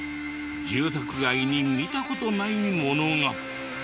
住宅街に見た事ないものが。